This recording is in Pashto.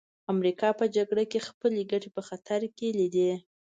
امریکا په جګړه کې خپلې ګټې په خطر کې لیدې